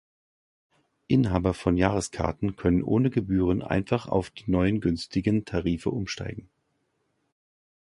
Inhaber von Jahreskarten können ohne Gebühren einfach auf die neuen günstigen Tarife umsteigen.